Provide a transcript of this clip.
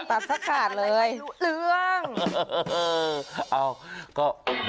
ตัดสักขาดเลยรู้เรื่อง